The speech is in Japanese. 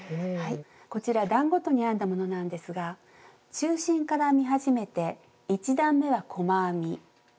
こちら段ごとに編んだものなんですが中心から編み始めて１段めは細編み。